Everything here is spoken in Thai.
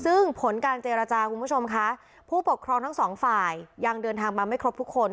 ซึ่งผลการเจรจาคุณผู้ชมคะผู้ปกครองทั้งสองฝ่ายยังเดินทางมาไม่ครบทุกคน